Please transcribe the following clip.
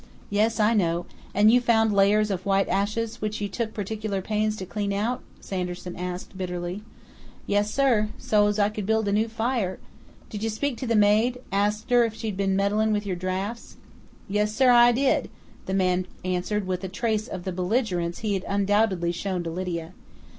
"Yes, I know.... And you found layers of white ashes, which you took particular pains to clean out?" Sanderson asked bitterly. "Yes, sir. So's I could build a new fire " "Did you speak to the maid ask her if she'd been 'meddlin' with your drafts'?" "Yes, sir, I did!" the man answered with a trace of the belligerence he had undoubtedly shown to Lydia.